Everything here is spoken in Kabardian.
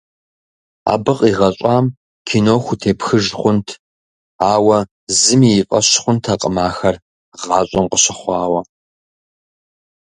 Абы къигъэщӏам кино хутепхыж хъунт, ауэ зыми и фӏэщ хъунтэкъым ахэр гъащӏэм къыщыхъуауэ.